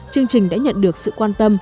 chương trình đã nhận được sự quan tâm